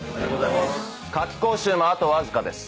夏期講習もあとわずかです。